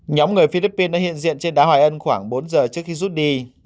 nhóm người philippines đã hiện diện trên đá hoài ân khoảng bốn giờ trước khi rút đi